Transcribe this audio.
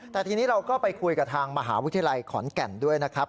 แต่ทีนี้เราก็ไปคุยกับทางมหาวิทยาลัยขอนแก่นด้วยนะครับ